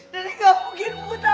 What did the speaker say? nenek gak mungkin buta